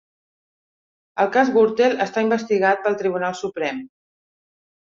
El cas Gürtel està investigat pel Tribunal Suprem